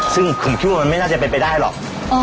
ซึ่งผมคิดว่ามันไม่น่าจะเป็นไปได้หรอก